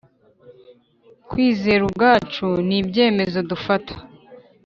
kwizera ubwacu n'ibyemezo dufata.